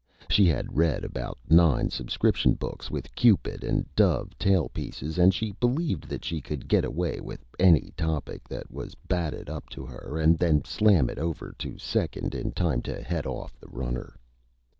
She had read about nine Subscription Books with Cupid and Dove Tail Pieces and she believed that she could get away with any Topic that was batted up to her and then slam it over to Second in time to head off the Runner.